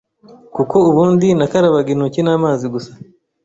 kuko ubundi nakarabaga intoki n’amazi gusa